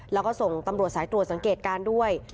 แล้วก็ส่งตำรวจสายตรวจสังเกตการณ์ด้วย